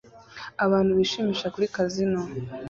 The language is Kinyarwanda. Abantu bishimisha kuri kazino